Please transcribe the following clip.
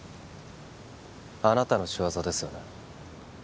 あなたの仕業ですよね